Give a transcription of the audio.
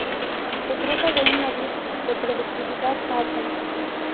Se trata de una vid de productividad alta.